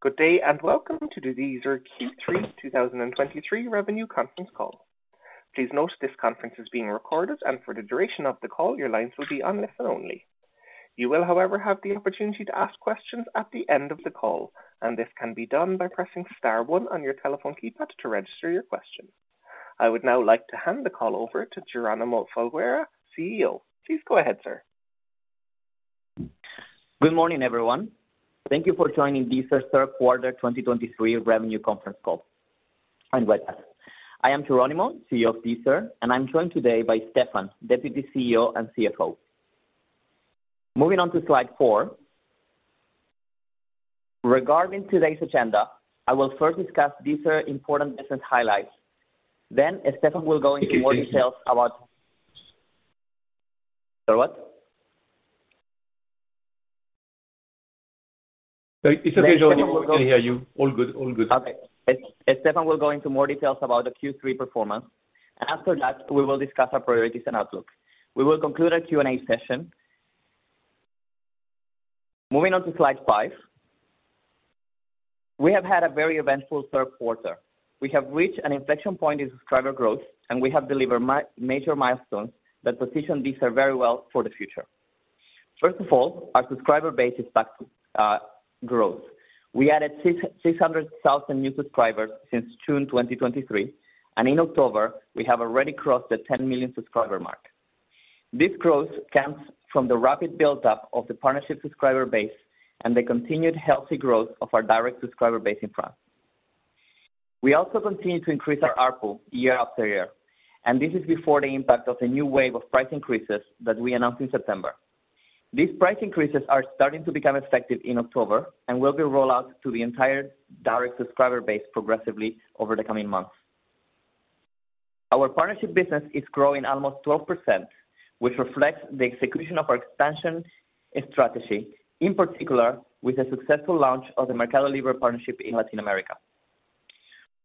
Good day, and welcome to the Deezer Q3 2023 Revenue Conference Call. Please note, this conference is being recorded, and for the duration of the call, your lines will be on listen only. You will, however, have the opportunity to ask questions at the end of the call, and this can be done by pressing star one on your telephone keypad to register your question. I would now like to hand the call over to Jeronimo Folgueira, CEO. Please go ahead, sir. Good morning, everyone. Thank you for joining Deezer Q3 2023 Revenue Conference Call, and welcome. I am Jeronimo, CEO of Deezer, and I'm joined today by Stephane, Deputy CEO and CFO. Moving on to slide 4. Regarding today's agenda, I will first discuss Deezer important business highlights. Then Stephane will go into more details about... Sorry, what? It's okay, Jeronimo, we can hear you. All good. All good. Okay. Stephane will go into more details about the Q3 performance, and after that, we will discuss our priorities and outlook. We will conclude our Q&A session. Moving on to slide 5. We have had a very eventful third quarter. We have reached an inflection point in subscriber growth, and we have delivered major milestones that position Deezer very well for the future. First of all, our subscriber base is back to growth. We added 600,000 new subscribers since June 2023, and in October, we have already crossed the 10 million subscriber mark. This growth comes from the rapid build-up of the partnership subscriber base and the continued healthy growth of our direct subscriber base in France. We also continue to increase our ARPU year after year, and this is before the impact of the new wave of price increases that we announced in September. These price increases are starting to become effective in October and will be rolled out to the entire direct subscriber base progressively over the coming months. Our partnership business is growing almost 12%, which reflects the execution of our expansion strategy, in particular with the successful launch of the Mercado Libre partnership in Latin America.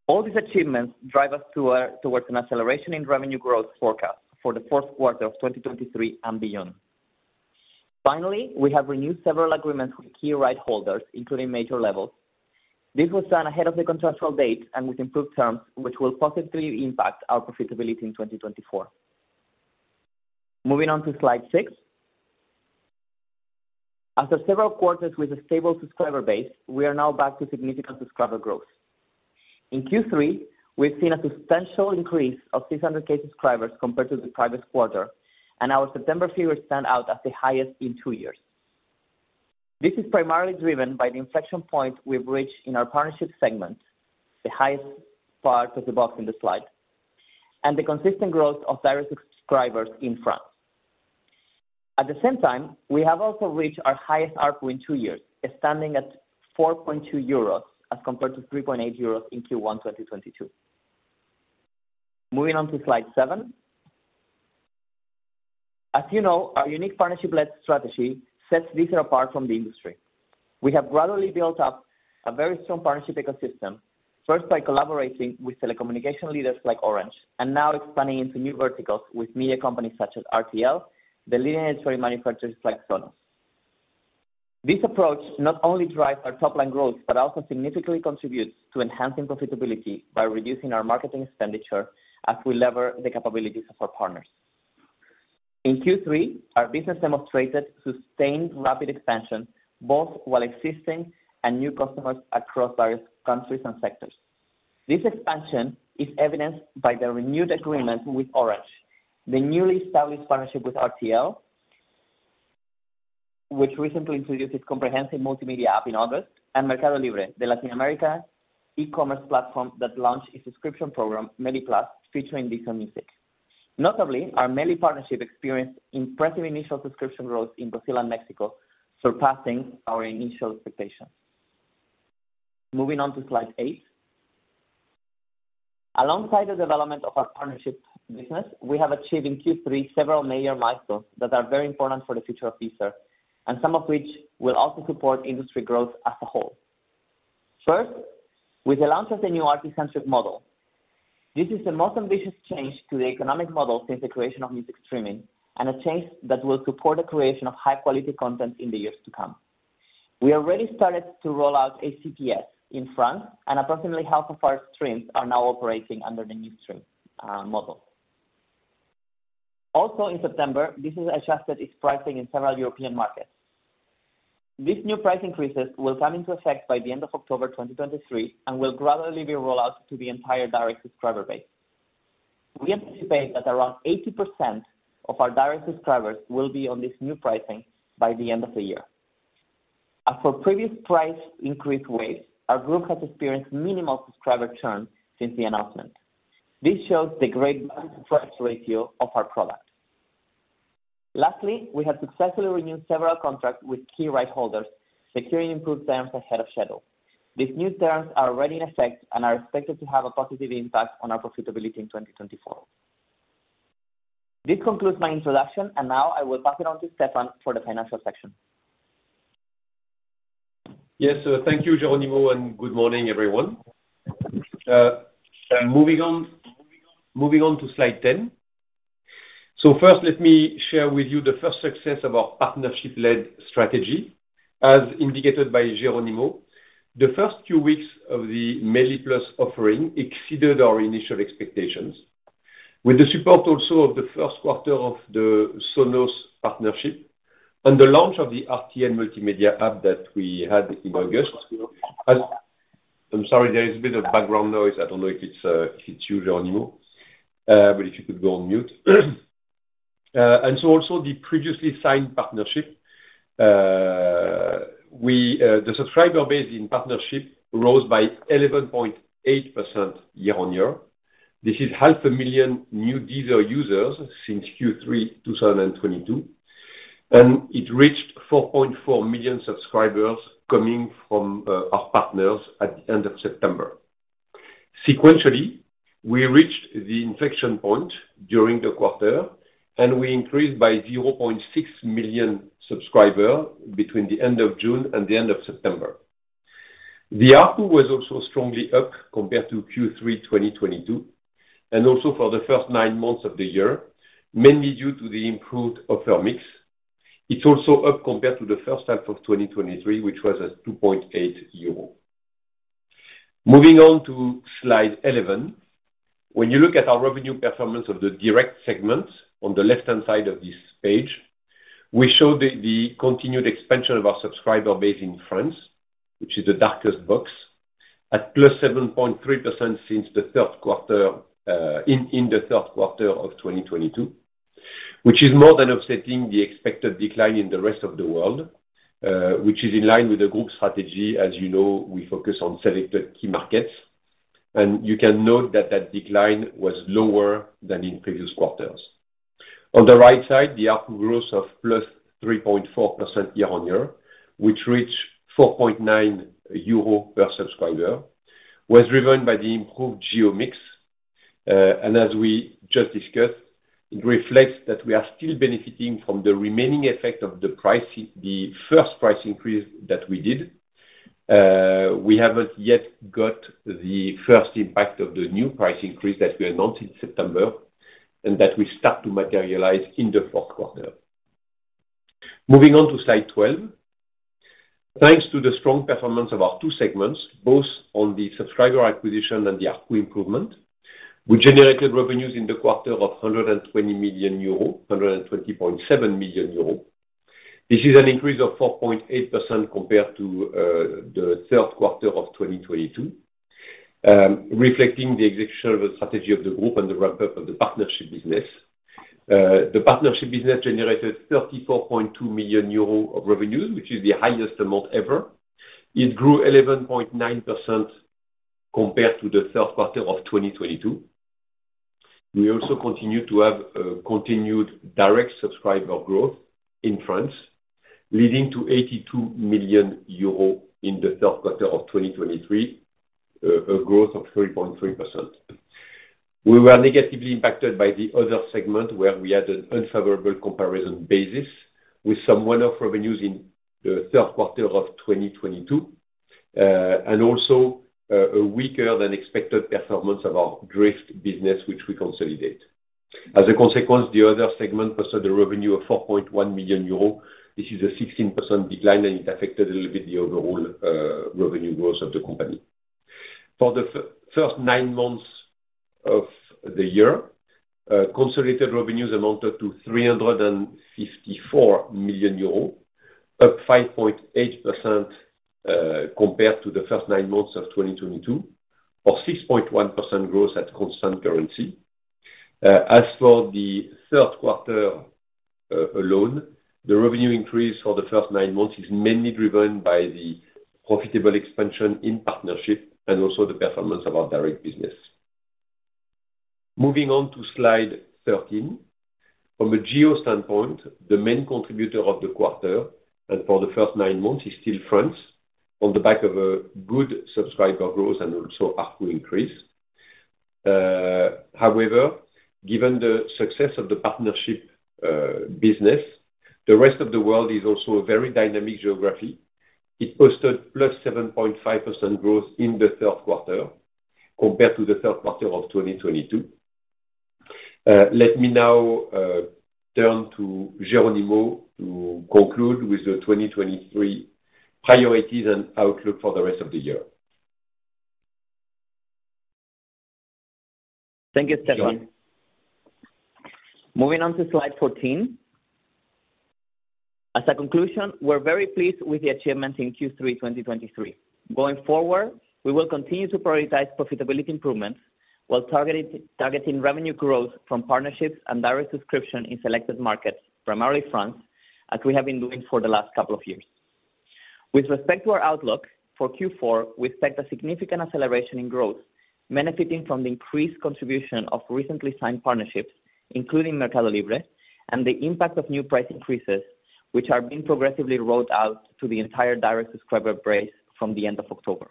All these achievements drive us to, towards an acceleration in revenue growth forecast for the fourth quarter of 2023 and beyond. Finally, we have renewed several agreements with key rights holders, including major labels. This was done ahead of the contractual date and with improved terms, which will positively impact our profitability in 2024. Moving on to slide 6. After several quarters with a stable subscriber base, we are now back to significant subscriber growth. In Q3, we've seen a substantial increase of 600K subscribers compared to the previous quarter, and our September figures stand out as the highest in two years. This is primarily driven by the inflection point we've reached in our partnership segment, the highest part of the box in the slide, and the consistent growth of direct subscribers in France. At the same time, we have also reached our highest ARPU in two years, standing at 4.2 euros as compared to 3.8 euros in Q1 2022. Moving on to slide 7. As you know, our unique partnership-led strategy sets Deezer apart from the industry. We have gradually built up a very strong partnership ecosystem, first by collaborating with telecommunication leaders like Orange, and now expanding into new verticals with media companies such as RTL, the leading industry manufacturers like Sonos. This approach not only drives our top-line growth, but also significantly contributes to enhancing profitability by reducing our marketing expenditure as we lever the capabilities of our partners. In Q3, our business demonstrated sustained, rapid expansion, both while existing and new customers across various countries and sectors. This expansion is evidenced by the renewed agreement with Orange, the newly established partnership with RTL, which recently introduced its comprehensive multimedia app in August, and Mercado Libre, the Latin America e-commerce platform that launched its subscription program, Meli+, featuring Deezer music. Notably, our Meli partnership experienced impressive initial subscription growth in Brazil and Mexico, surpassing our initial expectations. Moving on to slide eight. Alongside the development of our partnership business, we have achieved in Q3 several major milestones that are very important for the future of Deezer, and some of which will also support industry growth as a whole. First, with the launch of the new Artist-Centric model. This is the most ambitious change to the economic model since the creation of music streaming, and a change that will support the creation of high-quality content in the years to come. We already started to roll out ACPS in France, and approximately half of our streams are now operating under the new stream model. Also, in September, Deezer adjusted its pricing in several European markets. These new price increases will come into effect by the end of October 2023, and will gradually be rolled out to the entire direct subscriber base. We anticipate that around 80% of our direct subscribers will be on this new pricing by the end of the year. As for previous price increase waves, our group has experienced minimal subscriber churn since the announcement. This shows the great value for price ratio of our product. Lastly, we have successfully renewed several contracts with key rights holders, securing improved terms ahead of schedule. These new terms are already in effect and are expected to have a positive impact on our profitability in 2024. This concludes my introduction, and now I will pass it on to Stephane for the financial section. Yes, thank you, Jeronimo, and good morning, everyone. Moving on, moving on to slide 10. ... So first, let me share with you the first success of our partnership-led strategy. As indicated by Jeronimo, the first few weeks of the Meli+ offering exceeded our initial expectations, with the support also of the first quarter of the Sonos partnership and the launch of the RTL multimedia app that we had in August. I'm sorry, there is a bit of background noise. I don't know if it's you, Jeronimo, but if you could go on mute. And so also the previously signed partnership, the subscriber base in partnership rose by 11.8% year-on-year. This is 500,000 new Deezer users since Q3 2022, and it reached 4.4 million subscribers coming from our partners at the end of September. Sequentially, we reached the inflection point during the quarter, and we increased by 0.6 million subscribers between the end of June and the end of September. The ARPU was also strongly up compared to Q3 2022, and also for the first nine months of the year, mainly due to the improved offer mix. It's also up compared to the first half of 2023, which was at 2.8 euro. Moving on to slide 11. When you look at our revenue performance of the direct segment, on the left-hand side of this page, we show the continued expansion of our subscriber base in France, which is the darkest box, at +7.3% since the third quarter in the third quarter of 2022, which is more than offsetting the expected decline in the rest of the world, which is in line with the group strategy. As you know, we focus on selected key markets, and you can note that that decline was lower than in previous quarters. On the right side, the ARPU growth of +3.4% year-on-year, which reached 4.9 euro per subscriber, was driven by the improved geo mix, and as we just discussed, it reflects that we are still benefiting from the remaining effect of the price, the first price increase that we did. We haven't yet got the first impact of the new price increase that we announced in September, and that will start to materialize in the fourth quarter. Moving on to slide 12. Thanks to the strong performance of our two segments, both on the subscriber acquisition and the ARPU improvement, we generated revenues in the quarter of 120 million euros, 120.7 million euros. This is an increase of 4.8% compared to the third quarter of 2022, reflecting the execution of the strategy of the group and the wrap-up of the partnership business. The partnership business generated 34.2 million euro of revenues, which is the highest amount ever. It grew 11.9% compared to the third quarter of 2022. We also continued to have continued direct subscriber growth in France, leading to 82 million euros in the third quarter of 2023, a growth of 3.3%. We were negatively impacted by the other segment, where we had an unfavorable comparison basis with some one-off revenues in the third quarter of 2022, and also a weaker than expected performance of our Driift business, which we consolidate. As a consequence, the other segment posted a revenue of 4.1 million euros. This is a 16% decline, and it affected a little bit the overall, revenue growth of the company. For the first nine months of the year, consolidated revenues amounted to 354 million euros, up 5.8%, compared to the first nine months of 2022, or 6.1% growth at constant currency. As for the third quarter alone, the revenue increase for the first nine months is mainly driven by the profitable expansion in partnership and also the performance of our direct business. Moving on to slide 13. From a geo standpoint, the main contributor of the quarter and for the first nine months is still France, on the back of a good subscriber growth and also ARPU increase. However, given the success of the partnership, business, the rest of the world is also a very dynamic geography. It posted +7.5% growth in the third quarter compared to the third quarter of 2022. Let me now turn to Jeronimo to conclude with the 2023 priorities and outlook for the rest of the year. Thank you, Stéphane. Moving on to slide 14. As a conclusion, we're very pleased with the achievement in Q3, 2023. Going forward, we will continue to prioritize profitability improvements while targeting revenue growth from partnerships and direct subscription in selected markets, primarily France, as we have been doing for the last couple of years. With respect to our outlook for Q4, we expect a significant acceleration in growth, benefiting from the increased contribution of recently signed partnerships, including Mercado Libre, and the impact of new price increases, which are being progressively rolled out to the entire direct subscriber base from the end of October.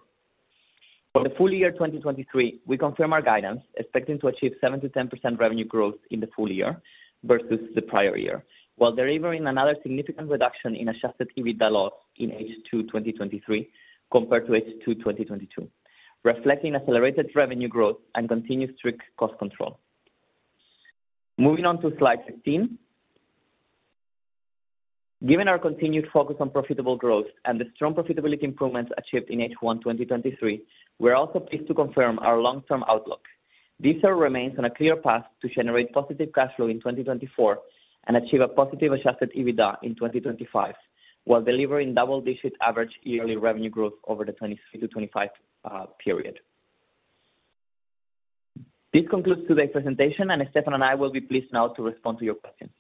For the full year 2023, we confirm our guidance, expecting to achieve 7%-10% revenue growth in the full year versus the prior year, while delivering another significant reduction in adjusted EBITDA loss in H2, 2023, compared to H2, 2022, reflecting accelerated revenue growth and continued strict cost control. Moving on to slide 15. Given our continued focus on profitable growth and the strong profitability improvements achieved in H1, 2023, we're also pleased to confirm our long-term outlook. Deezer remains on a clear path to generate positive cash flow in 2024, and achieve a positive adjusted EBITDA in 2025, while delivering double-digit average yearly revenue growth over the 2023-2025 period. This concludes today's presentation, and Stéphane and I will be pleased now to respond to your questions.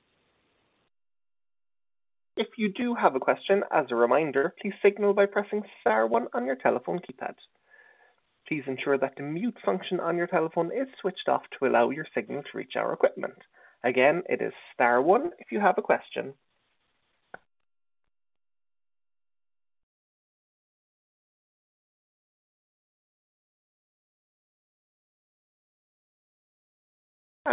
If you do have a question, as a reminder, please signal by pressing star one on your telephone keypad. Please ensure that the mute function on your telephone is switched off to allow your signal to reach our equipment. Again, it is star one if you have a question.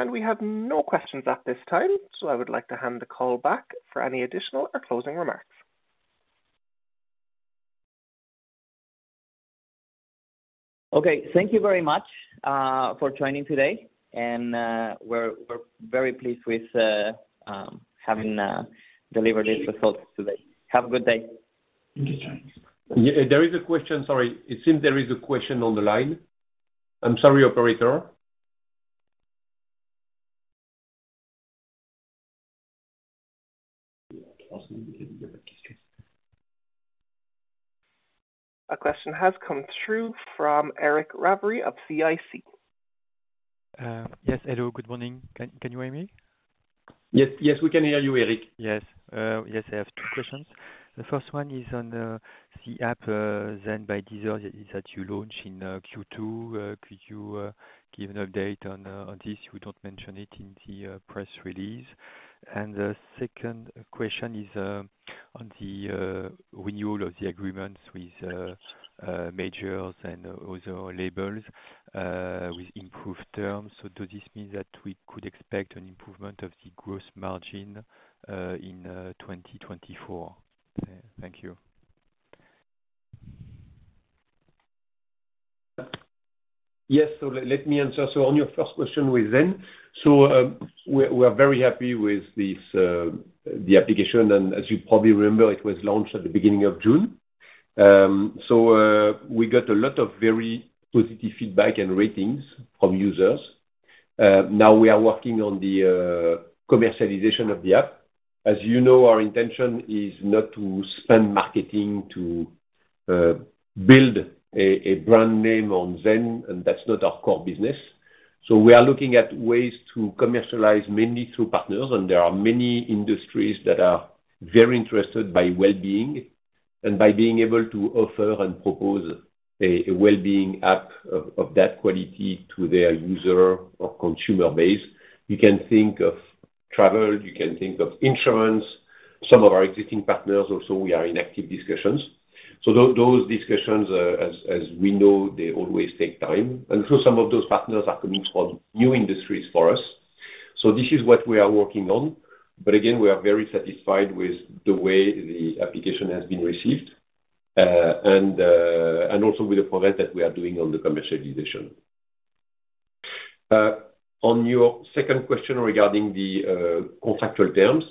We have no questions at this time, so I would like to hand the call back for any additional or closing remarks. Okay, thank you very much for joining today, and we're very pleased with having delivered these results today. Have a good day. Thank you. Yeah, there is a question, sorry. It seems there is a question on the line. I'm sorry, operator. A question has come through from Eric Ravary of CIC. Yes, hello, good morning. Can you hear me? Yes. Yes, we can hear you, Eric. Yes, yes, I have two questions. The first one is on the app, Zen by Deezer, that you launch in Q2. Could you give an update on this? You don't mention it in the press release. And the second question is on the renewal of the agreements with majors and also labels with improved terms. So does this mean that we could expect an improvement of the gross margin in 2024? Thank you. Yes. So let me answer. So on your first question with Zen. So, we're very happy with this the application, and as you probably remember, it was launched at the beginning of June. So, we got a lot of very positive feedback and ratings from users. Now we are working on the commercialization of the app. As you know, our intention is not to spend marketing to build a brand name on Zen, and that's not our core business. So we are looking at ways to commercialize, mainly through partners, and there are many industries that are very interested by well-being. And by being able to offer and propose a well-being app of that quality to their user or consumer base. You can think of travel, you can think of insurance, some of our existing partners also, we are in active discussions. So those discussions, as we know, they always take time. And so some of those partners are coming from new industries for us. So this is what we are working on. But again, we are very satisfied with the way the application has been received, and also with the progress that we are doing on the commercialization. On your second question regarding the contractual terms.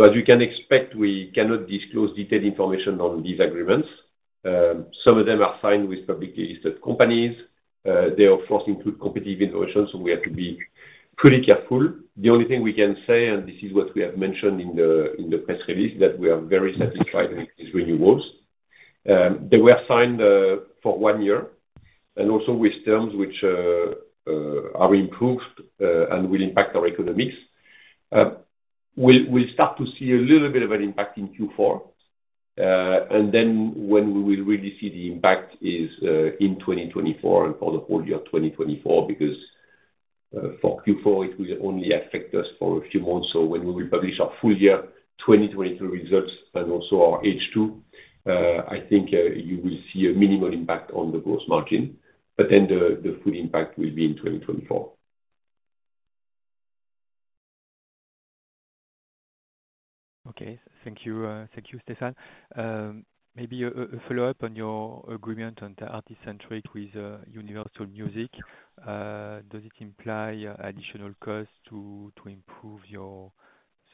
So as you can expect, we cannot disclose detailed information on these agreements. Some of them are signed with publicly listed companies. They of course include competitive information, so we have to be pretty careful. The only thing we can say, and this is what we have mentioned in the press release, that we are very satisfied with these renewals. They were signed for one year, and also with terms which are improved and will impact our economics. We'll start to see a little bit of an impact in Q4, and then when we will really see the impact is in 2024 and for the whole year of 2024, because for Q4, it will only affect us for a few months. So when we will publish our full year 2022 results and also our H2, I think you will see a minimal impact on the gross margin, but then the full impact will be in 2024. Okay. Thank you. Thank you, Stephane. Maybe a follow-up on your agreement on the Artist-Centric with Universal Music. Does it imply additional costs to improve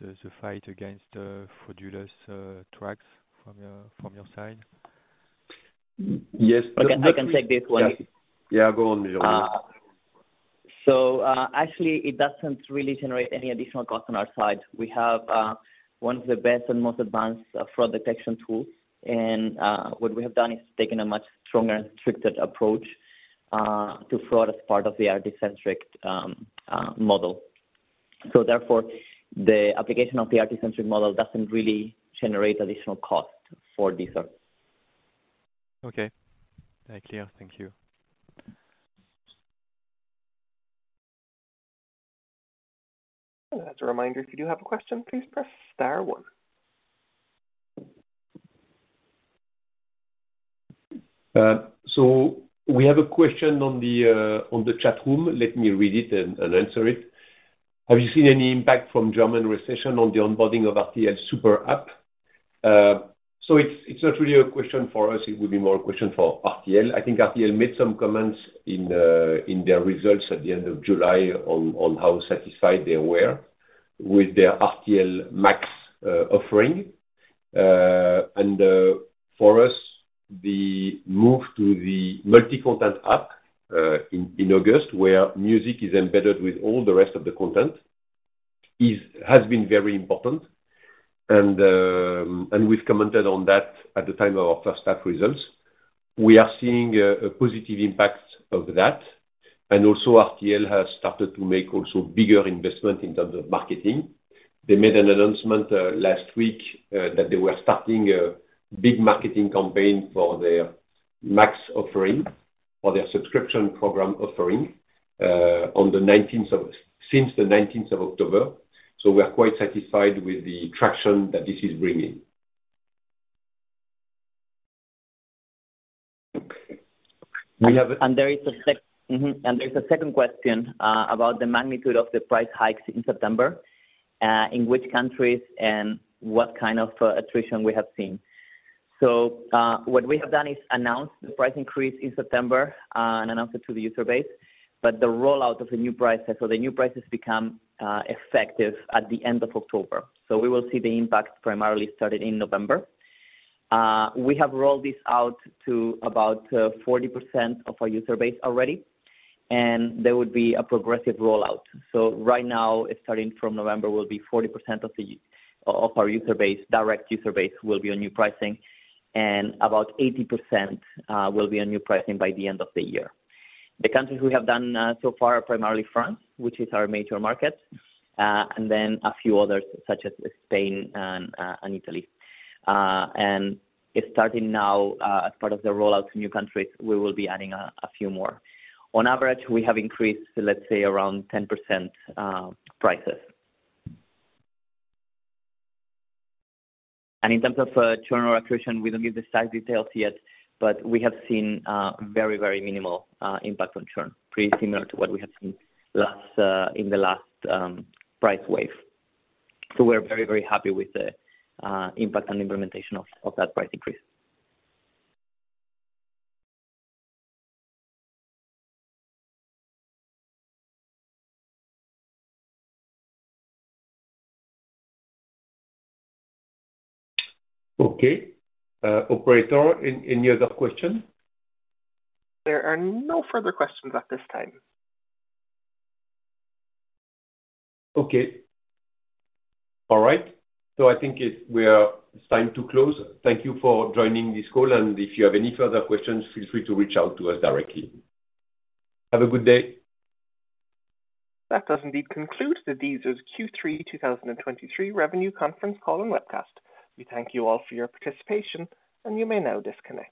the fight against fraudulent tracks from your side? Yes- I can, I can take this one. Yes. Yeah, go on, Jeronimo. So, actually, it doesn't really generate any additional cost on our side. We have one of the best and most advanced fraud detection tools, and what we have done is taken a much stronger and stricter approach to fraud as part of the Artist-Centric Model. So therefore, the application of the Artist-Centric Model doesn't really generate additional cost for Deezer. Okay. Clear. Thank you. As a reminder, if you do have a question, please press star one. So we have a question on the chat room. Let me read it and answer it. Have you seen any impact from German recession on the onboarding of RTL+ super app? So it's not really a question for us, it would be more a question for RTL. I think RTL made some comments in their results at the end of July on how satisfied they were with their RTL+ Max offering. For us, the move to the multi-content app in August, where music is embedded with all the rest of the content, has been very important. We've commented on that at the time of our first half results. We are seeing a positive impact of that, and also RTL has started to make also bigger investment in terms of marketing. They made an announcement last week that they were starting a big marketing campaign for their Max offering, for their subscription program offering, since the nineteenth of October. So we are quite satisfied with the traction that this is bringing. There is a second question about the magnitude of the price hikes in September, in which countries and what kind of attrition we have seen. What we have done is announced the price increase in September and announced it to the user base, but the rollout of the new prices, so the new prices become effective at the end of October. So we will see the impact primarily starting in November. We have rolled this out to about 40% of our user base already, and there would be a progressive rollout. So right now, it's starting from November, will be 40% of our user base, direct user base, will be on new pricing, and about 80% will be on new pricing by the end of the year. The countries we have done so far are primarily France, which is our major market, and then a few others, such as Spain and Italy. And it's starting now as part of the rollout to new countries, we will be adding a few more. On average, we have increased, let's say, around 10% prices. And in terms of churn or attrition, we don't give the exact details yet, but we have seen very, very minimal impact on churn, pretty similar to what we have seen last in the last price wave. So we're very, very happy with the impact and implementation of that price increase. Okay. Operator, any other question? There are no further questions at this time. Okay. All right. So I think it's time to close. Thank you for joining this call, and if you have any further questions, feel free to reach out to us directly. Have a good day. That does indeed conclude Deezer's Q3 2023 Revenue Conference Call and Webcast. We thank you all for your participation, and you may now disconnect.